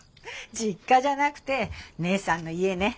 実家じゃなくて姉さんの家ね。